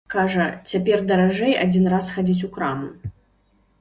Кажа, цяпер даражэй адзін раз схадзіць у краму.